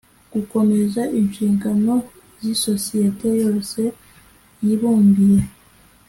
gukomeza inshingano z isosiyete yose yibumbiye